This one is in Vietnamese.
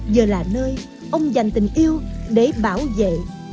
giờ là nơi ông dành tình yêu để bảo vệ